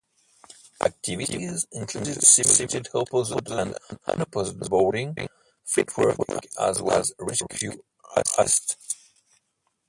Activities included simulated opposed and unopposed boarding, fleetwork as well as rescue assist.